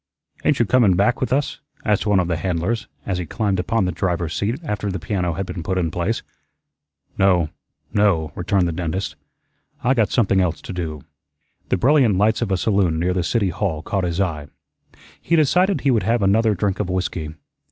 "Ain't you coming back with us?" asked one of the handlers as he climbed upon the driver's seat after the piano had been put in place. "No, no," returned the dentist; "I got something else to do." The brilliant lights of a saloon near the City Hall caught his eye. He decided he would have another drink of whiskey.